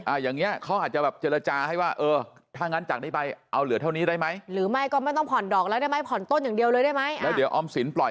อ่าอย่างเงี้ยเขาอาจจะแบบเจรจาให้ว่าเออถ้างั้นจักรได้ไปเอาเหลือเท่านี้ได้ไหม